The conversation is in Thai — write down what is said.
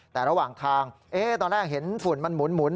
แต่ระหว่างทางตอนแรกเห็นฝุ่นมันหมุน